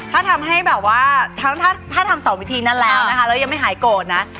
ถ้าทำให้แบบว่าถ้าทำ๒วิธีนั้นแล้วนะคะแล้วยังไม่หายโกรธนะ